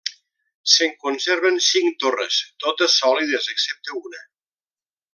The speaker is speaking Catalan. Se'n conserven cinc torres, totes sòlides excepte una.